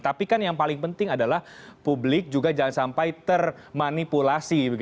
tapi kan yang paling penting adalah publik juga jangan sampai termanipulasi